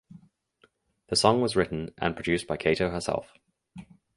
The song was written and produced by Kato herself.